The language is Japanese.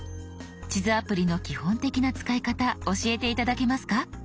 地図アプリの基本的な使い方教えて頂けますか？